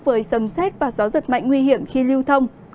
với sầm xét và gió giật mạnh nguy hiểm khi lưu thông